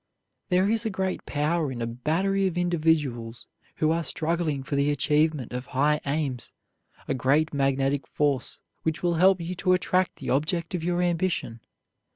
There is a great power in a battery of individuals who are struggling for the achievement of high aims, a great magnetic force which will help you to attract the object of your ambition.